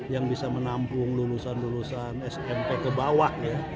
yang bisa menampung lulusan lulusan smp ke bawah ya